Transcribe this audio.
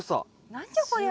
何じゃこりゃ。